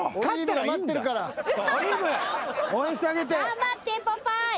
頑張ってポパイ。